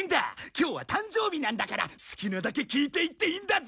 今日は誕生日なんだから好きなだけ聴いていっていいんだぞ！